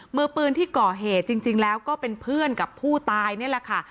มือปืนที่ก่อเหตุจริงแล้วก็เป็นเพื่อนกับผู้ตายนี่แหละค่ะ